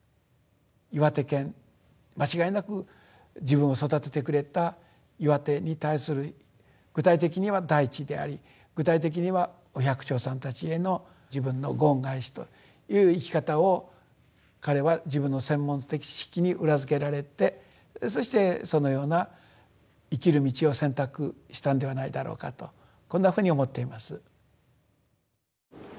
岩手県間違いなく自分を育ててくれた岩手に対する具体的には大地であり具体的にはお百姓さんたちへの自分のご恩返しという生き方を彼は自分の専門的知識に裏付けられてそしてそのような生きる道を選択したんではないだろうかとこんなふうに思っています。